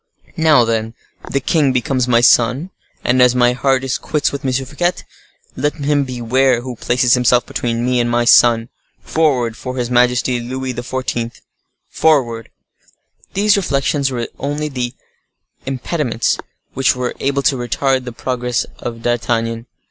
Now, then, the king becomes my sun, and as my heart is quits with M. Fouquet, let him beware who places himself between me and my sun! Forward, for his majesty Louis XIV.!—Forward!" These reflections were the only impediments which were able to retard the progress of D'Artagnan.